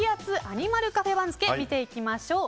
アニマルカフェ番付見ていきましょう。